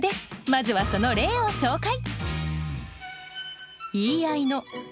まずはその例を紹介。